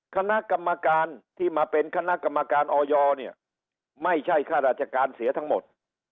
คณะกรรมการที่มาเป็นคณะกรรมการออยเนี่ยไม่ใช่ข้าราชการเสียทั้งหมด